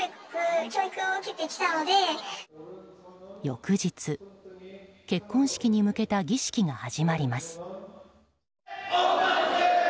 翌日、結婚式に向けた儀式が始まります。